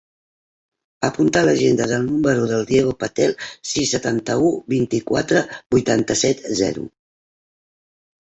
Apunta a l'agenda el número del Diego Patel: sis, setanta-u, vint-i-quatre, vuitanta-set, zero.